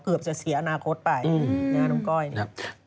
เกือบจะเสียอนาคตไปนะน้องก้อยเนี่ยอืมอืม